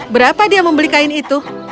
berapa dia membeli kain itu